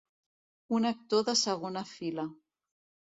Un actor de segona fila.